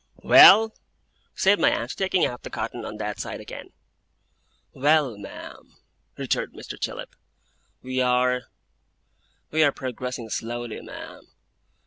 'Well?' said my aunt, taking out the cotton on that side again. 'Well, ma'am,' returned Mr. Chillip, 'we are we are progressing slowly, ma'am.